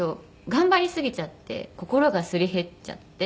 頑張りすぎちゃって心がすり減っちゃって。